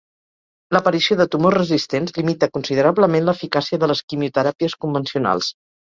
L'aparició de tumors resistents limita considerablement l'eficàcia de les quimioteràpies convencionals.